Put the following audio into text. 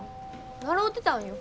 習うてたんよ。